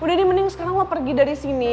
udah nih mending sekarang lo pergi dari sini